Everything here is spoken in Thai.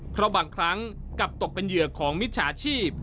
เพราะบางครั้งกลับตกเป็นเหยื่อของมิจฉาชีพ